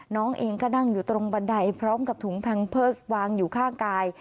น้องเองก็นั่งอยู่ตรงบันไดพร้อมกับถุงแพงเพิร์สวางอยู่ข้างกาย